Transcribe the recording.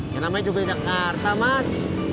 ya namanya juga jakarta mas